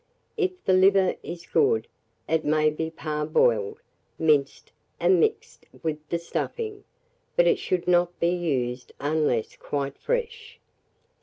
If the liver is good, it maybe parboiled, minced, and mixed with the stuffing; but it should not be used unless quite fresh.